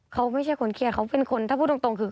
เขาไม่ใช่คนเครียดเขาเป็นคนถ้าพูดตรงคือ